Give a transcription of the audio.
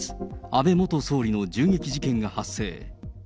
安倍元総理の銃撃事件が発生。